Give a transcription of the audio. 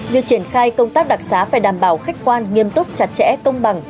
việc triển khai công tác đặc xá phải đảm bảo khách quan nghiêm túc chặt chẽ công bằng